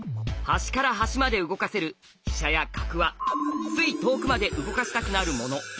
端から端まで動かせる飛車や角はつい遠くまで動かしたくなるもの。